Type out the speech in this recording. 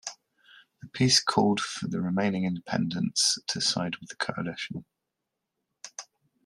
The piece called for the remaining independents to side with the Coalition.